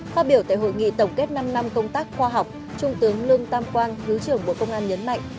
phát biểu tại hội nghị tổng kết năm năm công tác khoa học trung tướng lương tam quang thứ trưởng bộ công an nhấn mạnh